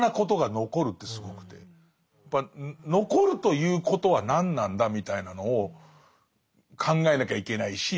やっぱ残るということは何なんだみたいなのを考えなきゃいけないし。